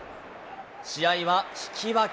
試合は引き分け。